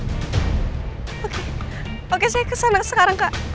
oke oke saya kesana sekarang kak